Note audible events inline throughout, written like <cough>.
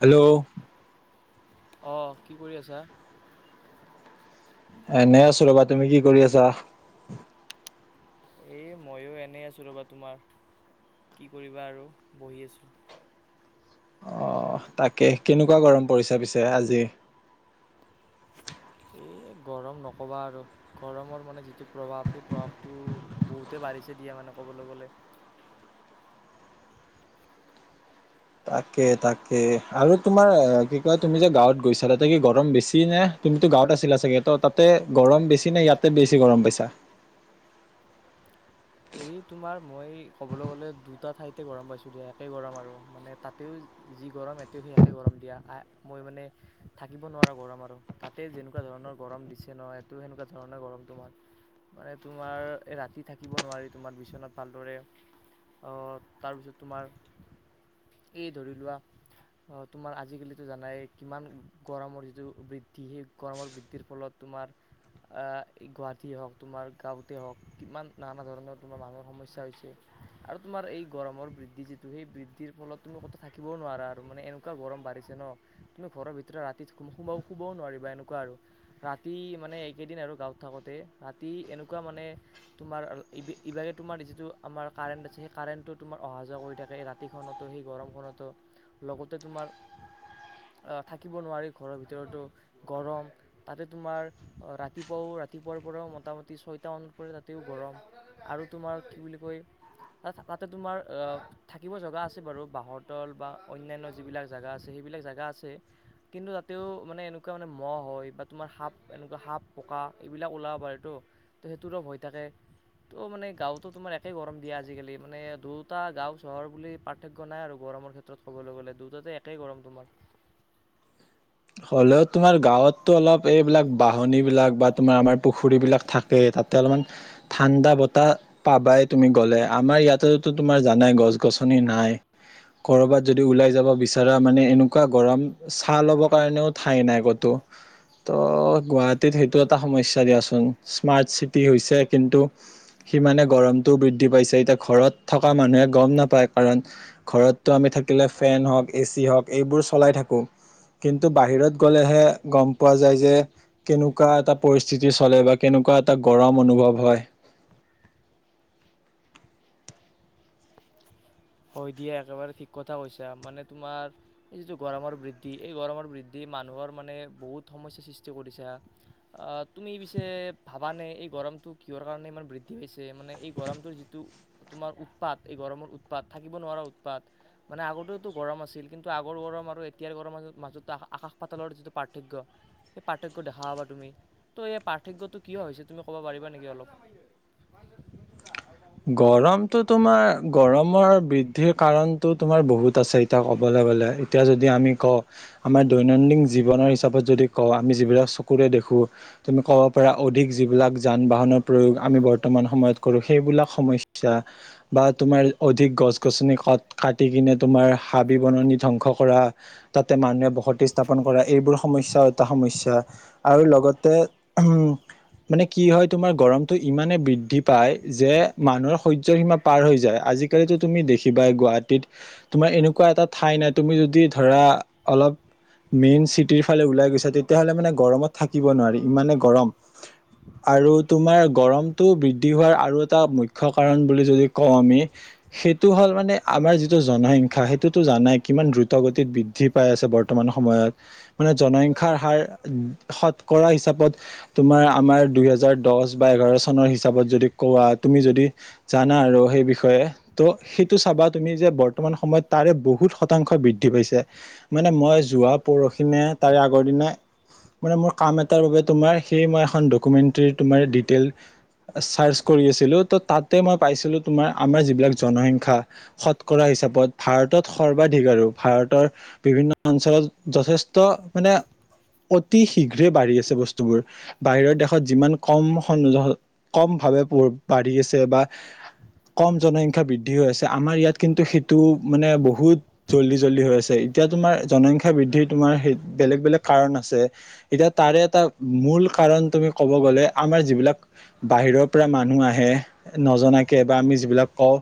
Hello অ কি কৰি আছা? এ এনেই আছো ৰ'বা তুমি কি কৰি আছা? এ মইও এনেই আছো ৰবা তোমাৰ কি কৰিবা আৰু বহি আছোঁ। অ তাকে কেনেকুৱা গৰম পৰিছে পিছে আজি? <unintelligible> <inaudible> এই গৰম নক'বা আৰু গৰমৰ মানে যিটো প্ৰভাৱ সেই প্ৰভাৱটো বহুতে বাঢ়িছে। এতিয়া মানে ক'বলৈ গ'লে তাকে তাকে, আৰু তোমাৰ কি কয় তুমি যে গাঁৱত গৈছালা ত কি গৰম বেছি নে তুমিতো গাঁৱত আছিলা চাগে ত তাতে গৰম বেছি নে ইয়াতে বেছি গৰম পাইছা <unintelligible> <inaudible> এই তোমাৰ মই ক'বলৈ গ'লে দুটা ঠাইতে গৰম পাইছো দিয়া একে গৰম আৰু মানে তাতেও যি গৰম এট সেই একে গৰম দিয়া আহ মই মানে থাকিব নোৱাৰা গৰম আৰু তাতে যেনেকুৱা ধ ধৰণৰ গৰম দিছে নহয়, মানে তোমাৰ এই ৰাতি থাকিব নোৱাৰি তোমাৰ বিচনাত ভালদৰে তাৰপিছত তোমাৰ এই ধৰি লোৱা অ তোমাৰ আজিকালিতো জানাই কিমান গৰমৰ যিটো বৃদ্ধি সেই গৰমৰ বৃদ্ধিৰ ফলত তোমাৰ আ গুৱাহাটীয়ে হওক তোমাৰ গাঁৱতে হওক কিমান নানা ধৰণৰ তোমাৰ মানুহৰ সমস্যা হৈছে আৰু তোমাৰ এই গৰমৰ বৃদ্ধি যিটো সেই বৃদ্ধিৰ ফলত ক থাকিবও নোৱাৰা মানে এনেকুৱা গৰম বাঢ়িছে ন তুমি ঘৰৰ ভিতৰত ৰাতিত শুবও নোৱাৰিবা। এনেকুৱা আৰু, ৰাতি মানে এইকেইদিন আৰু গাঁৱত থাকোতে ৰাতি এনেকুৱা মানে তোমাৰ ইভাগে তোমাৰ যিটো আমাৰ কাৰেণ্ট আছে সেই কাৰেণ্টটো তোমাৰ অহা যোৱা কৰি থাকে ৰাতিখনতো গৰমখনত লগতে তোমাৰ থাকিব নোৱাৰি ঘৰৰ ভিতৰতো, গৰম তাতে তোমাৰ ৰাতিপুৱাও ৰাতিপুৱাৰ পৰাও মোটামুটি ছয়টা মানত পৰা ৰাাতিও গৰম আৰু তোমাৰ কি বুলি কয় তাতে তোমাৰ অ থাকিব জগা আছে বাৰু বাঁহৰতল বা অন্যান্য যিবিলাক জেগা আছে সেই যবিলাক জেগা আছে কিন্তু তাতেও মানে এনেকুৱা মানে মহ হয় বা তোমাৰ সাপ এনেকুৱা সাপ পকা এইবিলাক ওলাব পাৰে তো <unintelligible> ত সেইটোৰো ভয় থাকে ত' মানে গাঁওতো তোমাৰ একে গৰম দিয়া আজিকালি মানে দুটা গাঁও চহৰ বুলি পাৰ্থক্য নাই আৰু গৰমৰ ক্ষেত্ৰত ক'বলৈ গ'লে, দুটাতে একেই গৰম তোমাৰ হ'লেও তোমাৰ গাঁৱতো অলপ এইবিলাক বাহনি বিলাক বা তোমাৰ আমাৰ পুখুৰী বিলাক থাকেই তাত তাতে অলপমান ঠাণ্ডা বতাহ পাবাই তুমি গ'লে আমাৰ ইয়াতেতো তোমাৰ জানাই গছ গছ নি নাই, কৰোবাত যদি ওলাই যাব বিচাৰা মানে এনেকুৱা গৰম ছা লব কাৰণেও ঠাই নাই ক'তো ত' গুৱাহাটীত সেইটো এটা সমস্যা দিয়াচোন স্মাৰ্ট চিটি হৈছে কিন্তু সিমানে গৰমটোও বৃদ্ধি পাইছে, এতিয়া ঘৰত থকা মানুহে গম নাপায় কাৰণ ঘৰতটো আমি থ থাকিলে ফেন হওক, এ চি হওক, এইবোৰ চলাই থাকো। কিন্তু বাহিৰত গ'লেহে গম পোৱা যায় যে কেনেকুৱা এটা পৰিস্থিতি চলে বা কেনেকুৱা এটা গৰম অনুভৱ হয়। <unintelligible> হয় দিয়া একেবাৰে ঠিক কথা কৈছা, মানে তোমাৰ এই যিটো গৰমৰ বৃদ্ধি এই গৰমৰ বৃদ্ধি মানুহৰ মানে বহুত সমস্যাৰ সৃষ্টি কৰিছে, আ তুমি পিছে ভাবা নে এই গৰম গৰমটো কিহৰ কাৰণে ইমান বৃদ্ধি হৈছে, মানে এই গৰমটোৰ যিটো তোমাৰ উৎপাত এই গৰমৰ উ উৎপাত থাকিব নোৱাৰা উৎপাত মানে আগতেতো গৰম আছিল কিন্তু আগৰ গৰম আৰু এতিয়াৰ গৰম মাজত মাজত আকাশ পাতালৰ যিটো পাৰ্থক্য সেই পাৰ্থক্যটো দেখা পাবা তুমি তো এই পাৰ্থক্যটো কিয় হৈছে তুমি ক'ব পাৰিবা নেকি অলপ গৰমটো তোমাৰ গৰমৰ বৃদ্ধিৰ কাৰণটো তোমাৰ বহুত আছে এতিয়া ক'ব লাগে বলে এতিয়া যদি আমি কওঁ আমাৰ দৈনন্দিন জীৱনৰ হিচাপত যদি কওঁ আমি যিবিলাক চকুৰে দেখো তুমি ক'ব পাৰা অধিক যিবিলাক যান বাহনৰ প্ৰয়োগ আমি বৰ্তমান সময়ত কৰো সেইবিলাক সমস্যা বা তোমাৰ অধিক গছ গছনি ক কাটি কিনে তোমাৰ হাবি বন ধ্বংস কৰা তাতে মানুহে বসতি স্থাপন কৰা এইবোৰ সমস্যা এটা সমস্যা আৰু লগতে উম মানে কি হয় তোমাৰ গৰমটো ইমানে বৃদ্ধি পায় যে মানুহৰ সহ্যৰ সীমা পাৰ হৈ যায় আজিকালিতো তুমি দেখিবাই গুৱাহাটীত তোমাৰ এনেকুৱা এটা ঠাই সেই নাই তুমি যদি ধৰা অলপ মেইন চিটিৰ ফালে ওলাই গৈছে তেতিয়াহ'লে মানে গৰমত থাকিব নোৱাৰি ইমানে গৰম। আৰু তোমাৰ গৰমটো বৃদ্ধি হোৱাৰ আৰু এটা মুখ্য কাৰণ বুলি যদি কও আমি সেইটো হ'ল মানে আমাৰ যিটো জনসংখ্যা সেইটোতো জানাই ইমান দ্ৰুত গতিত বৃদ্ধি পাই আছে বৰ্তমান সময়ত মানে জনসংখ্যাৰ হাৰ শত কৰা হিচাপত তোমাৰ আমাৰ দুই হেজাৰ দহ বা এঘাৰ চনৰ হিচাপত যদি কোৱা তুমি যদি জানা আৰু সেই বিষয়ে ত' সেইটো চাবা তুমি যে বৰ্তমান সময়ত তাৰে বহুত শতাংশ বৃদ্ধি পাইছে মানে মই যোৱা পৰখিনে তাৰে আগৰ দিনা মানে মোৰ কাম এটাৰ বাবে তোমাৰ সেই মই এখন ডকুমেণ্টৰী ডিতেল চাৰ্চ কৰি আছিলো ত' তাত ততে মই পাইছিলো তোমাৰ আমাৰ যিবিলাক জনসংখ্যা শতকৰা হিচাপত ভাৰতত সৰ্বাধিক আৰু ভাৰতৰ বিভিন্ন অঞ্চলত যথেষ্ট মানে অতি শীঘ্ৰে বাঢ়ি আছে বস্তুবোৰ বাহিৰৰ দেশত যিমান কম স কম ভাৱে বাঢ়ি আছে বা <unintelligible> কম জনসংখ্যা বৃদ্ধি হৈ আছে আমাৰ ইয়াত কিন্তু সেইটো মানে বহুত জল্দি জল্দি হৈ আছে। এতিয়া তোমাৰ জনসংখ্যা বৃদ্ধি তোমাৰ সেই বেলেগ বেলেগ কাৰণ আছে এতিয়া তাৰে এটা মূল কাৰণ তুমি ক'ব গ'লে আমাৰ যিবিলাক বাহিৰৰ পৰা মানুহ আহে। নজনাকে বা আমি যিবিলাক কওঁ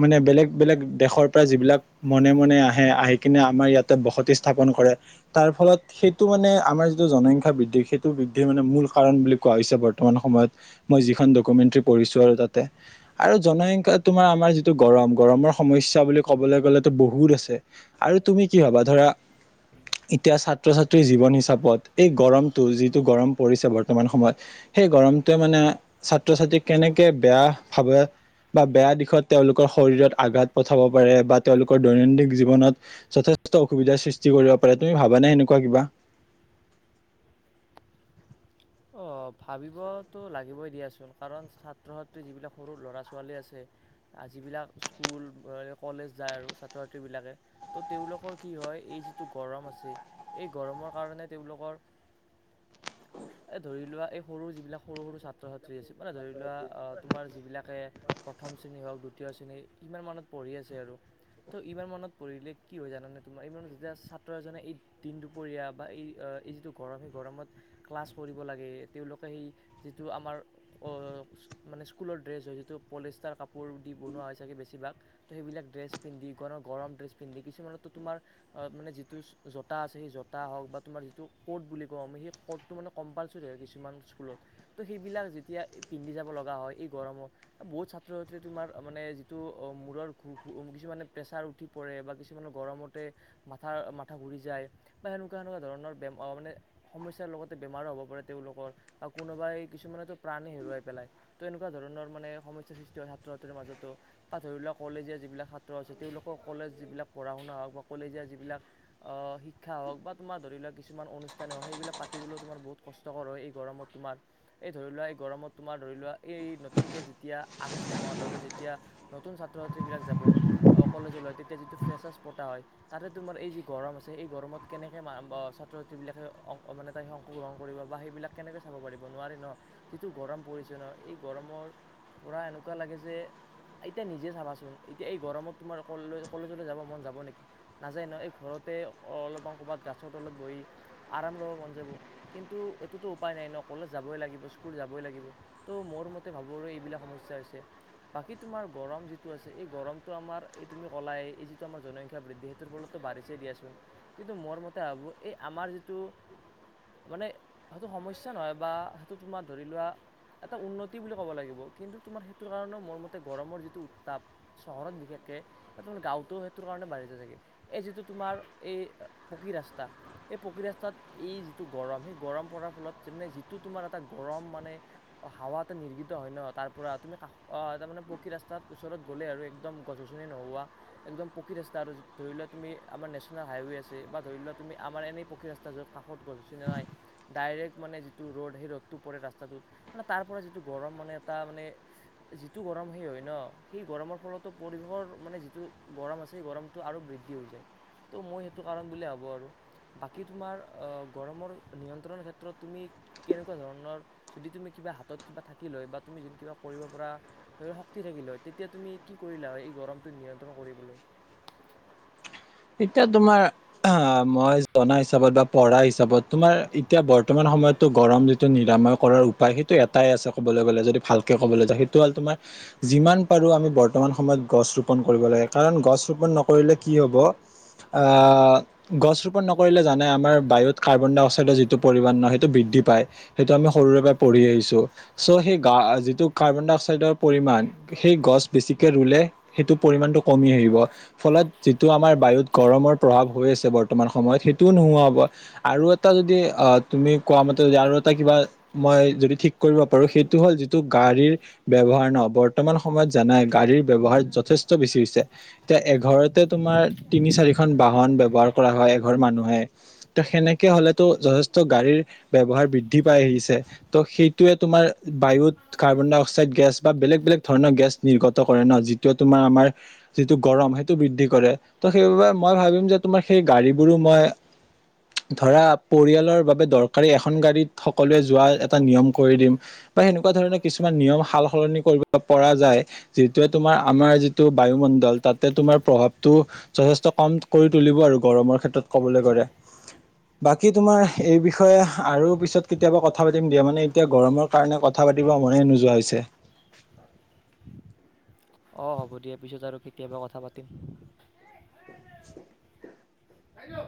মানে বেলেগ বেলেগ দেশৰ পৰা যিবিলাক মনে মনে আহে আহি কিনে আমাৰ ইয়াতে বসতি স্থাপন কৰে তাৰ ফলত সেইটো মানে আমাৰ যিটো জনসংখ্যা বৃদ্ধি সেইটো বৃদ্ধিৰ মানে মূল কাৰণ বুলি কোৱা হৈছে বৰ্তমান সময়ত মই যিখন ডকমেন্টৰী পঢ়িছোঁ আৰু তাত। তাতে আৰু জনসংখ্যা তোমাৰ আমাৰ যিটো গৰম গৰমৰ সমস্যা বুলি ক'বলৈ গ'লে বহুত আছে আৰু তুমি কি ভাবা ধৰা এতিয়া ছাত্ৰ ছাত্ৰীৰ জীৱন হিচাপত এই গৰমটো যিটো গৰম পৰিছে বৰ্তমান সময়ত। সেই গৰমটোৱে মানে ছাত্ৰ ছাত্ৰী কেনেকে বেয়া ভাৱে বা বেয়া দিশত তেওঁলোকৰ শৰীৰত আঘাত পঠাব পাৰে বা তেওঁলোকৰ দৈনন্দিন জীৱনত যথেষ্ট যথেষ্ট অসুবিধাৰ সৃষ্টি কৰিব পাৰে তুমি ভাবানে হেনেকুৱা কিবা <unintelligible> অহ ভাবিবতো লাগিবই দিয়াচোন কাৰণ ছাত্ৰ ছাত্ৰী যিবিলাক সৰু ল'ৰা ছোৱালী আছে আজিবিলাক স্কুল কলেজ যায় আৰু ছাত্ৰ ছাত্ৰী বিলাকে ত' তেওঁলোকৰ কি হয় হয় এই যিটো গৰম আছে এই গৰমৰ কাৰণে তেওঁলোকৰ এই ধৰি লোৱা এই সৰু যিবিলাক সৰু সৰু ছাত্ৰ ছাত্ৰী আছে মানে ধৰি লোৱা তোমাৰ যিবিলাকে প্ৰথম শ্ৰেণী হওঁক দ্বিতীয় শ্ৰেণী ইমান মানত পঢ়ি আছে আৰু তো' ইমান মনত পঢ়িলে কি হয় জানানে তোমাৰ ইমানত যেতিয়া ছাত্ৰ এজনে এই দিনটো পঢ়িয়া বা এই এইটো যিটো গৰমে গৰমত ক্লাছ কৰিব লাগে তেওঁলোকে সেই যিটো আমাৰ মানে স্কুলৰ ড্ৰেছ হয় যিটো কলেজ পলিষ্টাৰ কাপোৰ দি বনুৱা হয় ছাগে বেছিভাগ সেইবিলাক ড্ৰেছ পিন্ধিবগৰম ড্ৰেছ পিন্ধি কিছুমানতো তোমাৰ অহ যিটো জোতা আছে সেই জোতা হওঁক বা তোমাৰ যিটো কৰ্ত বুলি কও আমি সেই কৰ্ত মানে কম্পালচৰি হয় কিছুমান স্কুলত ত' সেইবিলাক যেতিয়া পিন্ধি যাব লগা হয় এই গৰমত বহুত ছাত্ৰ ছাত্ৰীয়ে তোমাৰ মানে যিটো মূৰৰ ঘু ঘু কিছুমানে প্ৰেছাৰ উঠি পৰে বা কিছুমানে গৰমত বহুতে মাথা মাথা ঘূৰি যায় বা সেনেকুৱা সেনেকুৱা ধৰণৰ বেমাৰ মানে সমস্যাৰ লগত। বেমাৰ হব পাৰে তেওঁলোকৰ বা কোনোবাই কিছুমানো প্ৰাণে হেৰুৱাই পেলাই ত এনেকুৱা ধৰণৰ মানে সমস্যা সৃষ্টি হয় ছাত্ৰীৰ মাজতো তাত ধৰি লোৱা কলেজীয়া যিবিলাক ছাত্ৰ আছে তেওঁলোকৰ কলেজ যিবিলাক পঢ়া শুনা বা কলেজীয়া যিবিলাক আহ শিক্ষা হওঁক বা তোমাৰ ধৰি লোৱা কিছুমান অনুষ্ঠানে হওঁক সেইবিলাক থাকিবলৈ বহুত কষ্টকৰ হয় এই গৰমত তোমাৰ এই ধৰি লোৱা এই গৰমত তোমাৰ ধৰি লোৱা এই নতুনকে মততিয়া নতুন ছাত্ৰ ছাত্ৰী বিক য কলেতিয়া য্ৰ <unintelligible> াই অংশগ্ৰহণ কৰিব বা সেইবিলাক কেনেকৈ চাব পাৰিব নোৱাৰে ন যিটো গৰম পৰিছে ন এই গৰমৰ পৰা এনেকুৱা লাগে যে এতিয়া নিজে চাবাচোন এতিয়া এই গৰমত তোমাৰ কলেজলৈ যাব মন যাব নেকি নাযায় ন এই ঘৰত অলপমান ক'ৰবাত গছৰ তলত বহ আৰাম ল'ব মন এইটোো উপায় নাই ন কলে যাব ল স্কুল যাবই লাগিব ত মোৰ মতে ভাবো এইবিলাক সমস্যা হৈছে বাকি তোমাৰ গৰম যি আছে এই গৰমতো আমাৰ তুমি কলাই জনসংখ্যা বৃদ্ধি সেইটোৰ ফলতো বাঢিছেই দিয়াচোন কিন্তু মোৰ মতে ভাবো এই আমাৰ যিটো মানে সেইটো সমস্যা নহয় বা সেইটো তোমাৰ ধৰি লোৱা এটা উন্নতি বুলি ক'ব লাগিব কিন্তু তোমাৰ সেইটো কাৰণে মোৰ মতে গৰমৰ যিটো উত্তাপ চহৰত বিশেষ কে গাঁওত সেইটো কাৰণে বাঢ়ি য চাগে এই যিটো তোমাৰ এই পকী ৰাস্তা এই পকি ৰাস্তাত এই যিটো গৰম সেই গৰম পৰাৰ ফলত যে যিটো তোমাৰ এটা গৰম মানে হাৱা এটা নিৰ্গিত হয় ন তাৰ পৰা তুমি কাষ তাৰ মানে পকী ৰাস্তাত ওচৰত গ'লে আৰু একদম গছ গছনি নোহোৱা একদম পকী আৰু ধৰি লোৱা তুমি আমাৰ নে্যনেল হাইৱে আছে বা ধৰি লোৱা তুমি আমাৰ এনে পক্ষী ৰাস্তা য'ত কাষত গছ <unintelligible> জোনে ডাইৰেক্ট মানে যিটো ৰ'দ সেই ৰ'দটো পৰে ৰাস্তাটোত মানে তাৰ পৰা যিটো গৰম মানে এটা মানে যিটো গৰম সেই হয় ন সেই গৰমৰ ফলতো পৰিৱেশৰ মানে যিটো গৰম আছে গৰমটো আৰু বৃদ্ধি হৈ যায় তো' মই সেইটো কাৰণ বুলিয়েই ভাবোঁ আৰু বাকী তোমাৰ গৰমৰ নিয়ন্ত্ৰণৰ ক্ষেত্ৰত তুমি কেনেকুৱা ধৰণৰ যদি তুমি কিবা হাতত কিবা থাকি লয় বা আমি যে কিবা কৰিব পৰা ধৰি ল শক্তি থাকিল হয় তেতিয়া তুমি কি কৰিলা হয় এই গৰমটো নিয়ন্ত্ৰণ কৰিবলৈ <unintelligible> এতিয়া তোমাৰ অ মই জনা হিচাপত বা পঢ়া হিচাপত তোমাৰ এতিয়া বৰ্তমান সময়তো গৰম যিটো নিৰাময় কৰাৰ উপায় সেইটো এটাই আছে ক'বলৈ গ'লে যদি ভালকৈ ক'বলৈ যাওঁ সেইটো হ'ল তোমাৰ যিমান পাৰো আমি বৰ্তমান সময়ত গছ ৰোপন কৰিব লাগে কাৰণ গছ ৰোপন নকৰিলে কি হ'ব আহ গছ ৰোপন নকৰিলে জানে আমাৰ বায়ুত কাৰ্বন ডাই অ', অক্সাইডৰ যিটো পৰিমাণ ন সেইটো বৃদ্ধি পায় সেইটো আমি সৰুৰে পৰা পঢ় আহিছো চ' সেই যিটো কাৰ্বন ডাই অক্সাইডৰ পৰিণ সেই গছ বেছি লে সেইটো পৰিমটো কমি আহিব ফলত যিটো আমাৰ বায়ুত গৰমৰ প্ৰভাৱ হৈ আছে বৰ্তমান সময়ত সেইটোও নোহোৱাব আৰু এটা যদি অ তুমি কোৱা মতে য আৰু এটা কিবা মই যদি ঠিক কৰিব পাৰো সেইটো হ'ল যিটো গাড়ীৰ ব্যৱহাৰ নহ বৰ্তমান সময়ত জানাই গাড়ীৰ ব্যৱহাৰ যথেষ্ট বেছি হৈছে এতিয়া এঘৰতে তোমাৰ তিনি চাৰিখন বাহন ব্যৱহাৰ কৰা হয় এঘৰ মানুহে ত সেনেকে হ'লেতো যথেষ্ট গাড়ীৰ ব্যয়ৱহাৰ বৃদ্ধি পাই আহিছে ত' সেইটোয়ে তোমাৰ বায়ুত কাৰ্বন ডাই অক্সাইড গেছ বা বেলেগ বেলেগ ধৰণৰ গেছ নিৰ্গত কৰে ন যিটো তোমাৰ আমাৰ যিটো গৰম সেইটো বৃদ্ধি কৰে ত' সেইবাবে মই ভাবিম যে তোমাৰ সেই গাড়ীবোৰো মই ধৰা পৰিয়ালৰ বাবে দৰকাৰী এখন গাড়ীত সকলোৱে যোৱা এটা নিয়ম কৰি দিম বা সেনেকুৱা ধৰণৰ কিছুমান নিয়ম সাল সলনি কৰিব পৰা যায় যিটোৱে তোমাৰ আমাৰ যিটো বায়ু ল তাতে তোমাৰ প্ৰভাৱটো যথেষ্ট কম কৰি তুলিব আৰু গৰমৰ ক্ষেত্ৰত ক'বলৈ গ'লে বাকী তোমাৰ এই বিষয়ে আৰু পিছত কেতিয়াবা কথা পাতিম দিয়া মানে এতিয়া গৰমৰ কাৰণে কথা পাতিবা মনেই নোযোৱা হৈছে <inaudible> অ হ'ব দিয়া পিছত আৰু কেতিয়াবা কথা পাতিম ভাই ৰ